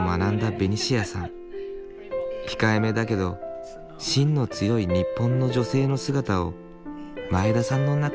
控えめだけど心の強い日本の女性の姿を前田さんの中に見ている。